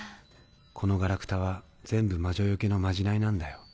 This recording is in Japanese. このガラクタは全部魔女よけのまじないなんだよ。